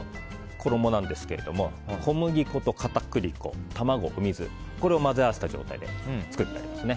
衣なんですが小麦粉と片栗粉、卵、お水これを混ぜ合わせた状態で作ってありますね。